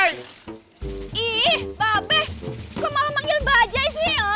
ih mba be kok malah manggil mba jay sih